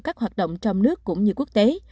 các hoạt động trong nước cũng như quốc tế